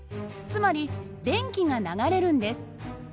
つまり電気が流れるんです。